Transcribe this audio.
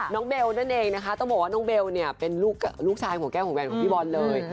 น้องเบลนั่นเองนะคะต้องบอกว่าน้องเบลเป็นลูกชายของแก้มหัวแบ่นของพี่บอลเลย